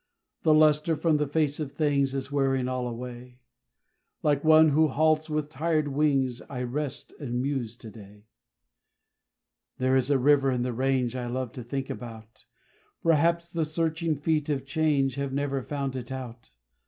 The lustre from the face of things Is wearing all away; Like one who halts with tired wings, I rest and muse to day. There is a river in the range I love to think about; Perhaps the searching feet of change Have never found it out.